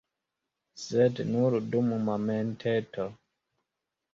Sed nur dum momenteto.